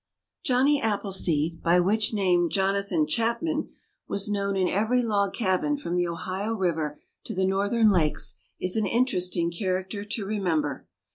Johnny Appleseed, by which name Jonathan Chapman was known in every log cabin from the Ohio river to the northern lakes, is an interesting character to remember.